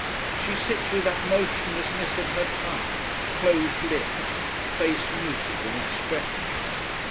She sits with that motionlessness of her type, closed lips, face muted and expressionless.